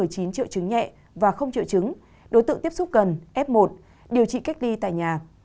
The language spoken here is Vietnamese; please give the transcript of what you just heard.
có chín triệu chứng nhẹ và không triệu chứng đối tượng tiếp xúc gần f một điều trị cách ly tại nhà